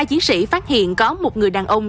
hai chiến sĩ phát hiện có một người đàn ông